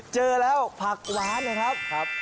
เจอแล้วผักหวานนะครับ